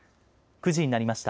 ９時になりました。